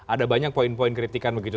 ada banyak poin poin kritikan begitu